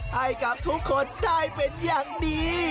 ให้กับทุกคนได้เป็นอย่างดี